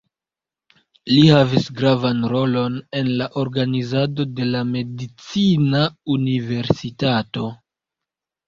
Li havis gravan rolon en la organizado de la medicina universitato.